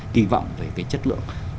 kỳ vọng về cái chất lượng